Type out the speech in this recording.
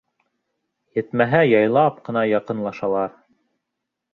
Етмәһә, яйлап ҡына яҡынлашалар.